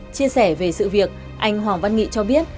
chia sẻ về sự việc anh hoàng văn nghị cho biết